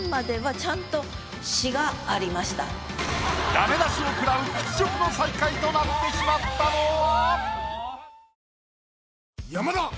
ダメ出しを食らう屈辱の最下位となってしまったのは？